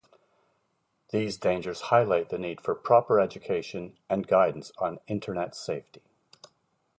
These dangers highlight the need for proper education and guidance on Internet safety.